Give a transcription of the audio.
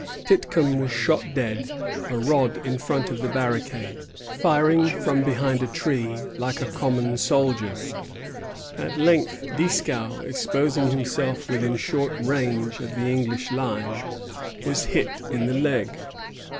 Titcomb was shot dead, a rod in front of the barricade, firing from behind a tree like a common soldier. At length Dieskau, exposing himself within short range of the English line, was hit in the leg.